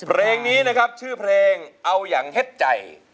เพลงนี้นะครับชื่อเพลงเอาอย่างเฮ็ดใจ